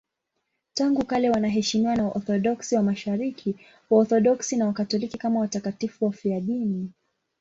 Tangu kale wanaheshimiwa na Waorthodoksi wa Mashariki, Waorthodoksi na Wakatoliki kama watakatifu wafiadini.